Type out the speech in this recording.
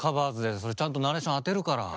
それちゃんとナレーションあてるから。